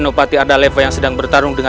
apa tidak rai kian santang